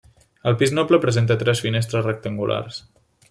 El pis noble presenta tres finestres rectangulars.